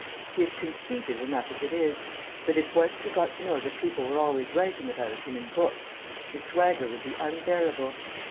He is conceited enough as it is, but if once he got to know that people are always writing about him in books his swagger would be unbearable.